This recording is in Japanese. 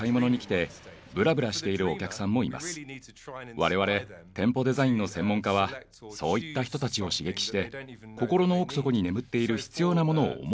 我々店舗デザインの専門家はそういった人たちを刺激して心の奥底に眠っている必要なものを思い出してもらいます。